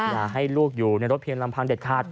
อย่าให้ลูกอยู่ในรถเพียงลำพังเด็ดขาด